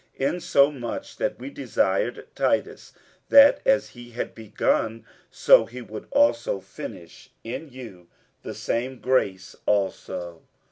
47:008:006 Insomuch that we desired Titus, that as he had begun, so he would also finish in you the same grace also.